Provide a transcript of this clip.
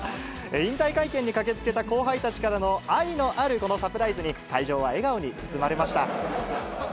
引退会見に駆けつけた後輩たちからの愛のあるこのサプライズに、会場は笑顔に包まれました。